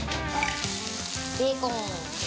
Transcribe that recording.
ベーコン！